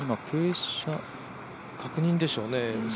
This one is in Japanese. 確認でしょうね。